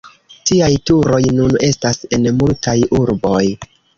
Tiaj turoj nun estas en multaj urboj.